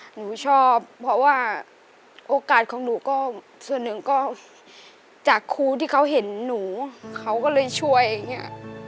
หนูชอบเพราะว่าโอกาสของหนูก็ส่วนหนึ่งก็จากครูที่เขาเห็นหนูเขาก็เลยช่วยอย่างเงี้ย